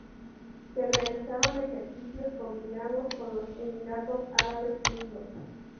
Se realizaron ejercicios combinados con los Emiratos Árabes Unidos.